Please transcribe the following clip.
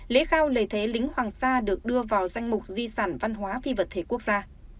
lễ khao lễ thế lính hoàng sa được đưa vào danh mục di sản văn hóa phi vật thể quốc gia